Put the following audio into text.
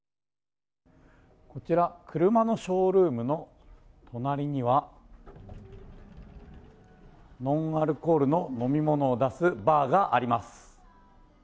こちら、車のショールームのとなりにはノンアルコールの飲み物を出すバーがあります。